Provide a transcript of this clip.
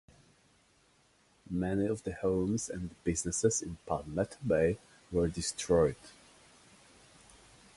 Many of the homes and businesses in Palmetto Bay were destroyed.